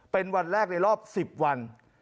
เป็นวันแรกในรอบ๑๐วัน